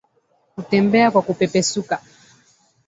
Kutembea kwa kupepesuka